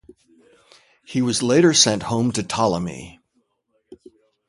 He was later sent home to Ptolemy.